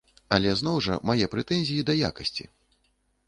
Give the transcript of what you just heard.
Але зноў жа, мае прэтэнзіі да якасці.